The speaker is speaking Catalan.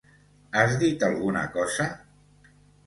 Has dit alguna cosa?